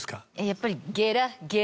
やっぱり。